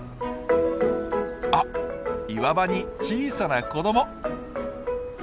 あっ岩場に小さな子ども！